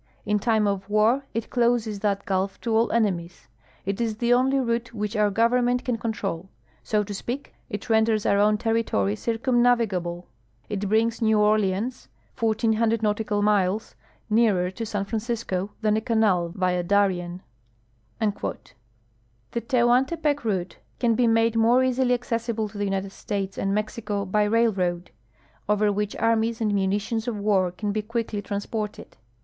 In time of war it closes that gulf to all enemies. It is the only route whicli our Govern ment can control. So to sj^eak, it renders our own territory circum navigable. It brings New Orleans 1,400 nautical miles nearer to San Francisco than a canal via Darien." The Tehuantepec route can Ije made more easily accessible to the United States and Mexico by railroad, over which armies and munitions of war can he quickly trans})orted.